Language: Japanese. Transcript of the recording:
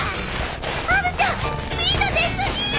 まるちゃんスピード出過ぎ！